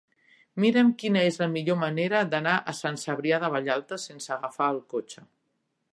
Mira'm quina és la millor manera d'anar a Sant Cebrià de Vallalta sense agafar el cotxe.